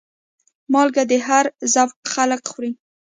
مالګه د هر ذوق خلک خوري.